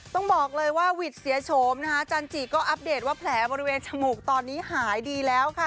ต้องบอกเลยว่าวิทย์เสียโฉมนะคะจันจิก็อัปเดตว่าแผลบริเวณจมูกตอนนี้หายดีแล้วค่ะ